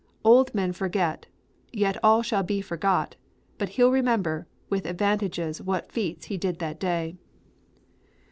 'Old men forget; yet all shall be forgot, but he'll remember with advantages what feats he did that day!'